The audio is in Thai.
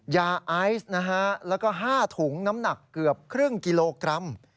ยาไอซ์นะฮะแล้วก็๕ถุงน้ำหนักเกือบครึ่งกิโลกรัม